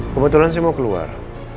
kebetulan saya mau keluar